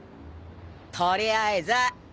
とりあえず。